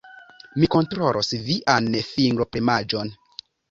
Mi kontrolos vian fingropremaĵon.